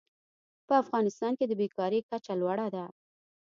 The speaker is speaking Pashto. په افغانستان کې د بېکارۍ کچه لوړه ده.